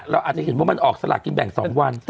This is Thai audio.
เราอาจจะเห็นว่ามันออกสลากกินแบ่ง๒วัน